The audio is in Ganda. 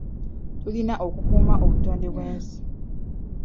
Tulina okukuuma obutonde bw'ensi.